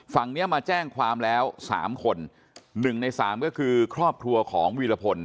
ฝั่งนี้มาแจ้งความแล้ว๓คน๑ใน๓ก็คือครอบครัวของวีรพล